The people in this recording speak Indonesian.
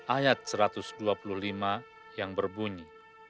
ayat satu ratus dua puluh lima yang berbunyi